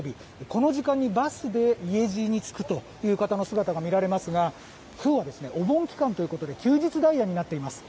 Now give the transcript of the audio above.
この時間にバスで家路につくという方の姿が見られますが今日はお盆期間ということで休日ダイヤとなっています。